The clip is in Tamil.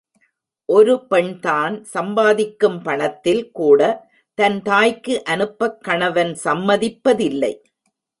ஒரு பெண் தான் சம்பாதிக்கும் பணத்தில் கூட, தன் தாய்க்கு அனுப்பக் கணவன் சம்மதிப்ப தில்லை.